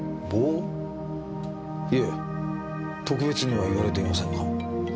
いえ特別には言われていませんが。